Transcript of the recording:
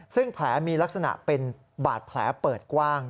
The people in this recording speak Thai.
ซึ่งแผลมีลักษณะเป็นบาดแผลเปิดกว้าง